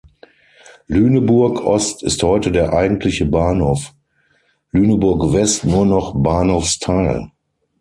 Lüneburg Ost ist heute der eigentliche Bahnhof, Lüneburg West nur noch Bahnhofsteil.